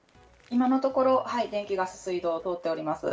今のところ、電気、ガス、水道、通っております。